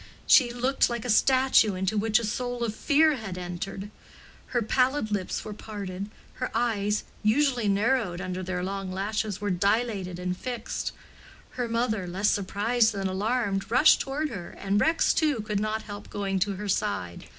She looked like a statue into which a soul of Fear had entered: her pallid lips were parted; her eyes, usually narrowed under their long lashes, were dilated and fixed. Her mother, less surprised than alarmed, rushed toward her, and Rex, too, could not help going to her side.